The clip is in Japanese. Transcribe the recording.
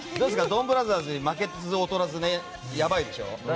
「ドンブラザーズ」に負けず劣らずやばいでしょ？